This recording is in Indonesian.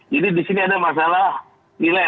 jadi di sini ada masalah nilai